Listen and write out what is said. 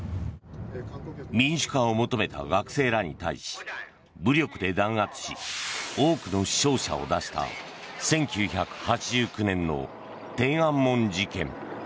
民主化を求めた学生らに対し武力で弾圧し多くの死傷者を出した１９８９年の天安門事件。